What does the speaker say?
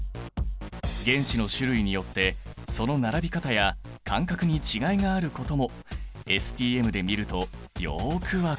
原子の種類によってその並び方や間隔に違いがあることもＳＴＭで見るとよく分かる。